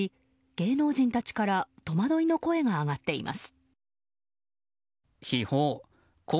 芸能人たちから戸惑いの声が上がっています。